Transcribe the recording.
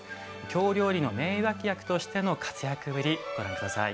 京料理の名脇役としての活躍ぶり、ご覧ください。